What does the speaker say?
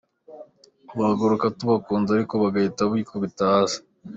Bahaguruka tubakunze ariko bagahita bikubita hasi